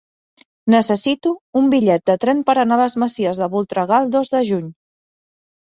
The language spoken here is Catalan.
Necessito un bitllet de tren per anar a les Masies de Voltregà el dos de juny.